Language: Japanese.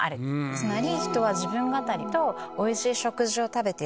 つまり。